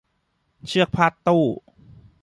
เชือกพาดตู้